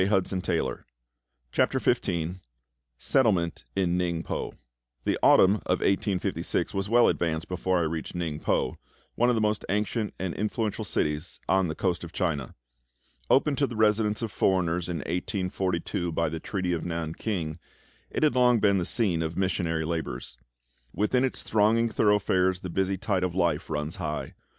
CHAPTER XV SETTLEMENT IN NINGPO THE autumn of 1856 was well advanced before I reached Ningpo, one of the most ancient and influential cities on the coast of China. Opened to the residence of foreigners in 1842 by the treaty of Nan king, it had long been the scene of missionary labours. Within its thronging thoroughfares the busy tide of life runs high.